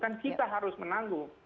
kan kita harus menanggung